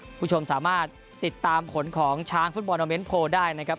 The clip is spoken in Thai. คุณผู้ชมสามารถติดตามผลของช้างฟุตบอลโมเมนต์โพลได้นะครับ